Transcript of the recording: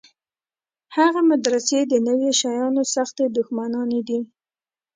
هغه مدرسې د نویو شیانو سختې دښمنانې دي.